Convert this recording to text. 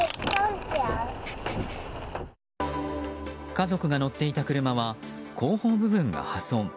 家族が乗っていた車は後方部分が破損。